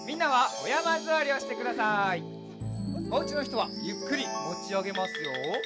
おうちのひとはゆっくりもちあげますよ。